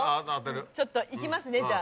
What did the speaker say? ちょっといきますねじゃあ。